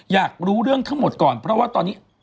อยากรู้เรื่องทั้งหมดก่อนเพราะว่าตอนนี้